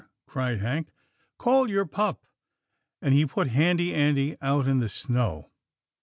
cried Hank, " call your pup," and he put Handy Andy out in the snow.